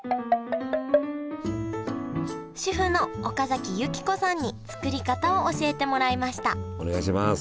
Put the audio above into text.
主婦の岡崎由紀子さんに作り方を教えてもらいましたお願いします